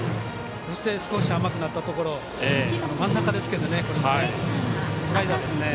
そして、少し甘くなったところ真ん中ですけどスライダーですね。